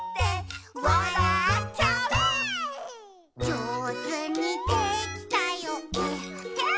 「じょうずにできたよえっへん」